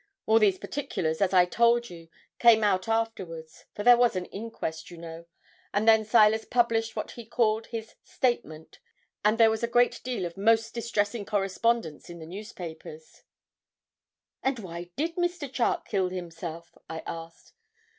All these particulars, as I told you, came out afterwards, for there was an inquest, you know, and then Silas published what he called his "statement," and there was a great deal of most distressing correspondence in the newspapers.' 'And why did Mr. Charke kill himself?' I asked.